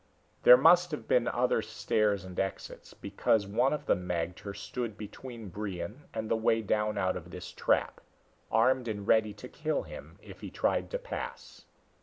There must have been other stairs and exits, because one of the magter stood between Brion and the way down out of this trap armed and ready to kill him if he tried to pass.